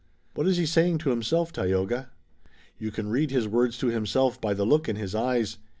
"What is he saying to himself, Tayoga?" "You can read his words to himself by the look in his eyes.